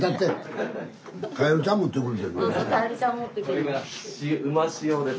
これがうま塩です。